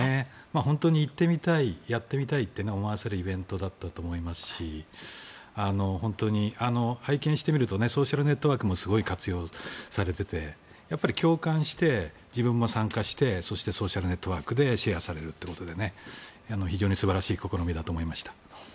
本当に行ってみたいやってみたいと思わせるイベントだったと思いますし本当に拝見してみるとソーシャルネットワークもすごい活用されててやっぱり共感して自分も参加してそしてソーシャルネットワークでシェアされるということで非常に素晴らしい試みだと思いました。